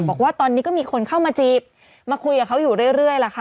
บอกว่าตอนนี้ก็มีคนเข้ามาจีบมาคุยกับเขาอยู่เรื่อยล่ะค่ะ